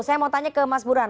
saya mau tanya ke mas buran